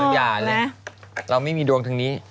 อย่าเลยเราไม่มีดวงทางนี้